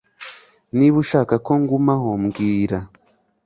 Niba ushaka ko ngumaho mbwira